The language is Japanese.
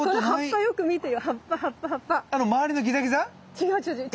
違う違う違う違う。